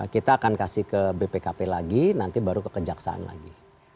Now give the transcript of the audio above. kita akan kasih ke bpkp lagi nanti baru ke kejaksaan lagi